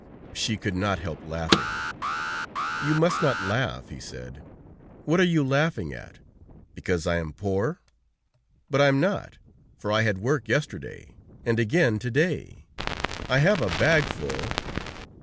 She could not help laughing. "You must not laugh," he said. "What are you laughing at? Because I am poor? But I am not, for I had work yesterday, and again to day. I have a bag full.